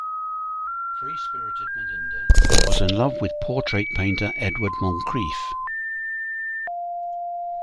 Free spirited Melinda was in love with portrait painter Edward Moncrief.